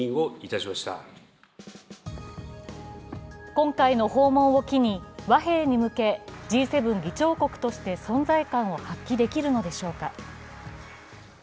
今回の訪問を機に、和平に向け、Ｇ７議長国として存在感を発揮できるのでしょうか。